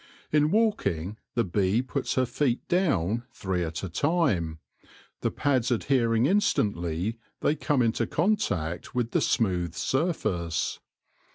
In walking, the bee puts her feet down three at a time, the pads ad hering instantly they come into contact with the smooth surface.